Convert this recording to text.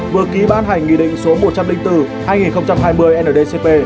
vừa ký ban hành nghị định số một trăm linh bốn hai nghìn hai mươi ndcp